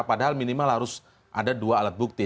padahal minimal harus ada dua alat bukti